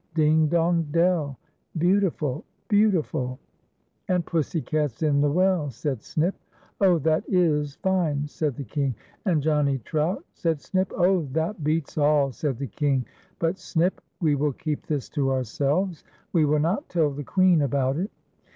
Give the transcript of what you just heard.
' Ding, dong, dell !' Beautiful ! beautiful !"" And Pussy cat's in the well !" said Snip. " Oh ! that is fine," said the King :" And Johnny Trout !" said Snip. " Oh ! that beats all," said the King, " but, Snip, we will keep this to ourselves. We will not tell the Queen about it."